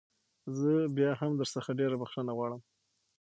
زه بيا هم درڅخه ډېره بخښنه غواړم.